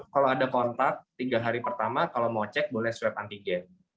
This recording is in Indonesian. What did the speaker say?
kalau ada kontak tiga hari pertama kalau mau cek boleh swab antigen